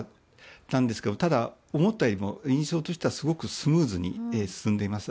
ただ、思ったよりも印象としてはすごくスムーズに進んでいます。